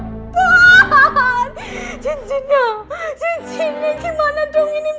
takut keren di ours policeman terus abis itu masukkin lho